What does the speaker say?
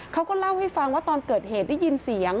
เขาก็เล่าให้ฟังว่าตอนเกิดเหตุได้ยินเสียง